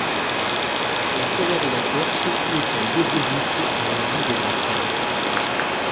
La colère et la peur secouaient son dos robuste en habit de drap fin.